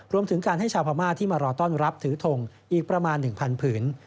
รวมถึงการให้ชาวพม่าที่มารอต้อนรับถือทงอีกประมาณ๑๐๐ผืน